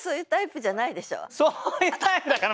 そういうタイプだから！